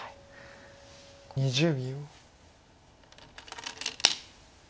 ２０秒。